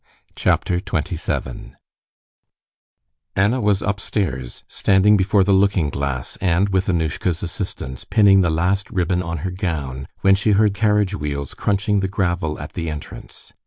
Chapter 27 Anna was upstairs, standing before the looking glass, and, with Annushka's assistance, pinning the last ribbon on her gown when she heard carriage wheels crunching the gravel at the entrance.